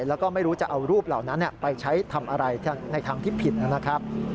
แล้วก็ไม่รู้จะเอารูปเหล่านั้นไปใช้ทำอะไรในทางที่ผิดนะครับ